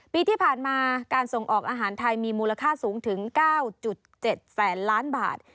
ปีที่ผ่านมาการส่งออกอาหารไทยมีมูลค่าสูงถึง๙๗แสนล้านบาท